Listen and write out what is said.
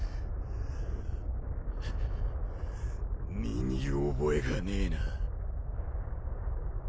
身に覚えがねえな。